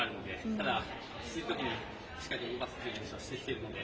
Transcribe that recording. ただ、きつい時にしっかり動かすという練習はしてきているので。